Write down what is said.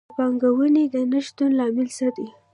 د پانګونې د نه شتون لامل څه دی؟